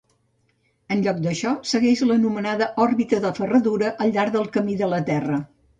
En lloc d'això, segueix l'anomenada òrbita de ferradura al llarg del camí de la Terra.